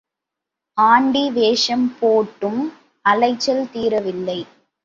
Aunty வேஷம் போட்டும் அலைச்சல் தீரவில்லை.